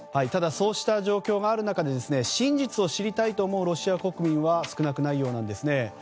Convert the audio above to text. そうした状況がある中で真実を知りたいと思うロシア国民は少なくないようなんですね。